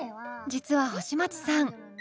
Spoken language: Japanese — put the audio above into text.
実は星街さん